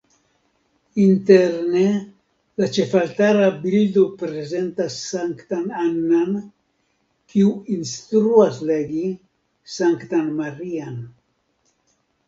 Interne la ĉefaltara bildo prezentas Sanktan Anna-n, kiu instruas legi Sanktan Maria-n.